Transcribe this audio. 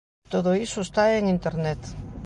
E todo iso está en Internet.